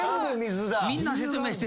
みんな説明して。